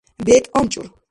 БЕКӀ АМЧӀУР